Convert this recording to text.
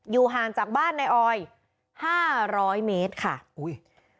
ห่างจากบ้านนายออยห้าร้อยเมตรค่ะอุ้ย